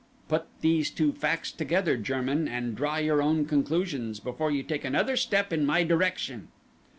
Put these two facts together, German, and draw your own conclusions before you take another step in my direction."